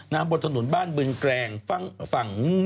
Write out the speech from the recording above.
น้ำบนถนนบ้านบืนแกรง